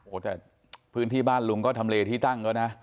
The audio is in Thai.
โอ้โหแต่พื้นที่บ้านลุงก็ทำเลที่ตั้งแล้วนะ